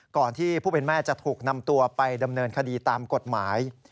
ที่ผู้เป็นแม่จะถูกนำตัวไปดำเนินคดีตามกฎหมาย